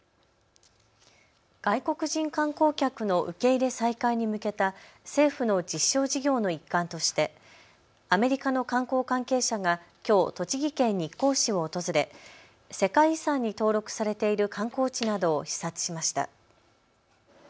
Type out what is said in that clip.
外国人観光客の受け入れ再開に向けた政府の実証事業の一環として、アメリカの観光関係者がきょう栃木県日光市を訪れ世界遺産に登録されている観光地などを視察しました。